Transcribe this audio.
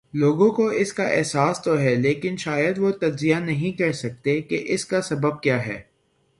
لوگوں کواس کا احساس تو ہے لیکن شاید وہ تجزیہ نہیں کر سکتے کہ اس کا سبب کیا ہے۔